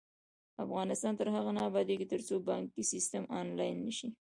افغانستان تر هغو نه ابادیږي، ترڅو بانکي سیستم آنلاین نشي.